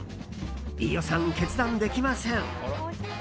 飯尾さん、決断できません。